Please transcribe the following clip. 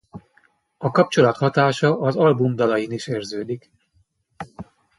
A kapcsolat hatása az album dalain is érződik.